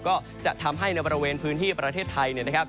ก็จะทำให้ในบริเวณพื้นที่ประเทศไทย